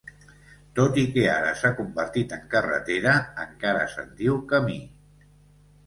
Tot i que ara s'ha convertit en carretera, encara se'n diu camí.